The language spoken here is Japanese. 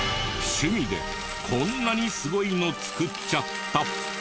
趣味でこんなにすごいの作っちゃった。